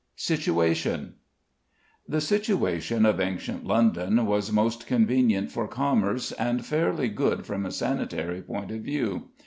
SITUATION. The situation of ancient London was most convenient for commerce, and fairly good from a sanitary point of view.